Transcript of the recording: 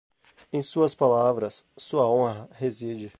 Em suas palavras, sua honra reside.